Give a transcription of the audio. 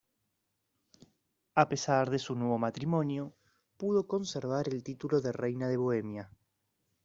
A pesar de su nuevo matrimonio, pudo conservar el título de reina de Bohemia.